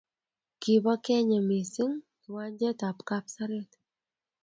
Kibo kenye mising kiwanjet ab Kapseret